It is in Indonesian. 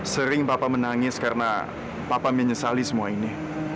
sering bapak menangis karena papa menyesali semua ini